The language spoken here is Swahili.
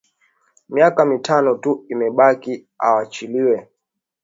Miaka mitano tu imebaki awachiliwe